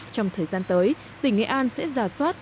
trong thời gian tới tỉnh nghệ an sẽ giả soát